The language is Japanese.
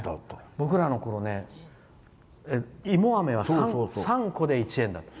僕らのころね、芋あめは３個で１円だった。